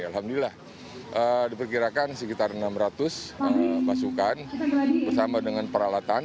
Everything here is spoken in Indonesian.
alhamdulillah diperkirakan sekitar enam ratus pasukan bersama dengan peralatan